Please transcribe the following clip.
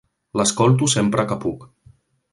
L'escolto sempre que puc.